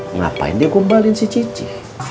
ngapain dia kumbalin si cici